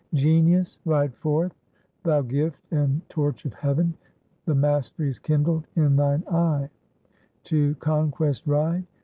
Genius ride forth! Thou gift and torch of heav'n! The mastery is kindled in thine eye; To conquest ride!